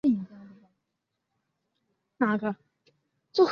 周玘杀害了王恢并将尸首在猪圈中埋掉。